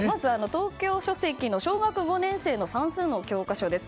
東京書籍の小学５年生の算数の教科書です。